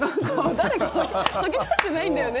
誰か書き足してないんだよね？